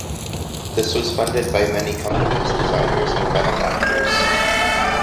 This was funded by many companies, designers and benefactors.